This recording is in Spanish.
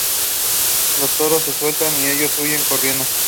Los toros se sueltan y ellos huyen corriendo.